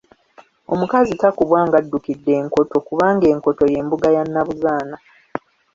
Omukazi takubwa ng'addukidde enkoto kubanga enkoto ye mbuga ya Nnabuzaana.